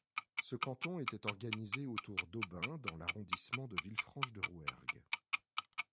Ce canton était organisé autour d'Aubin dans l'arrondissement de Villefranche-de-Rouergue.